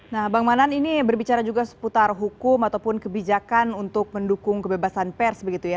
nah bang manan ini berbicara juga seputar hukum ataupun kebijakan untuk mendukung kebebasan pers begitu ya